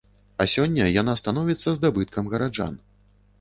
А сёння яна становіцца здабыткам гараджан.